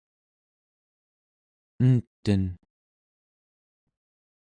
enten